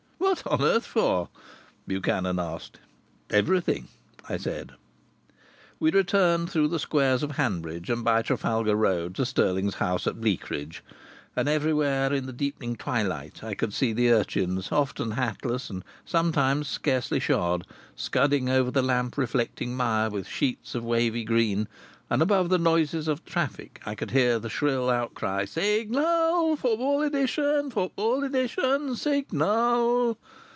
"What on earth for?" Buchanan asked. "Everything," I said. We returned through the squares of Hanbridge and by Trafalgar Road to Stirling's house at Bleakridge. And everywhere in the deepening twilight I could see the urchins, often hatless and sometimes scarcely shod, scudding over the lamp reflecting mire with sheets of wavy green, and above the noises of traffic I could hear the shrill outcry: "Signal. Football Edition. Football Edition. Signal."